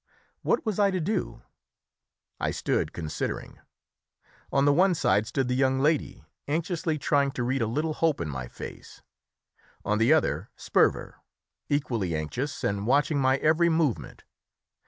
What was I to do? I stood considering; on the one side stood the young lady, anxiously trying to read a little hope in my face; on the other Sperver, equally anxious and watching my every movement.